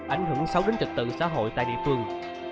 ảnh hưởng sâu đến trực tự xã hội tại địa phương